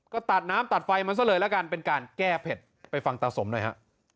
ก็ตัดน้ำตัดไฟมันซะเลยละกันเป็นการแก้เผ็ดไปฟังตาสมหน่อยฮะ